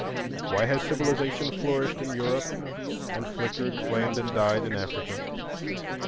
Why has civilization flourished in Europe, and flickered, flamed, and died in Africa?